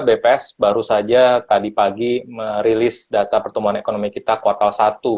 bps baru saja tadi pagi merilis data pertumbuhan ekonomi kita kuartal satu